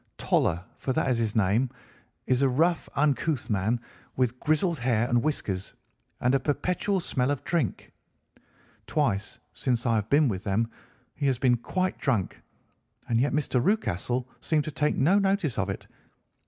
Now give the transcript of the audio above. Toller, for that is his name, is a rough, uncouth man, with grizzled hair and whiskers, and a perpetual smell of drink. Twice since I have been with them he has been quite drunk, and yet Mr. Rucastle seemed to take no notice of it.